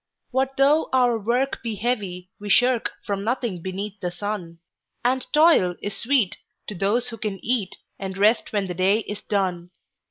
What though our work he heavy, we shirkFrom nothing beneath the sun; And toil is sweet to those who can eatAnd rest when the day is done.